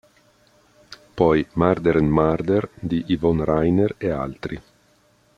Poi "Murder and Murder" di Yvonne Rainer e altri.